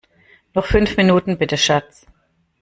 Noch fünf Minuten bitte, Schatz!